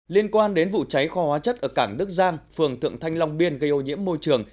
liên quan đến vụ cháy kho hóa chất ở cảng đức giang phường thượng thanh long biên gây ô nhiễm môi trường